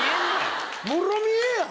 もろ見えやん！